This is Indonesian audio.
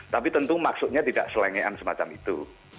tapi tentu maksudnya tidak selengean semacam itu